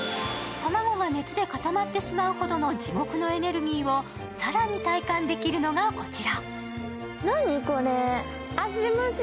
卵が熱で固まってしまうほどの地獄のエネルギーを更に体感できるのがこちら。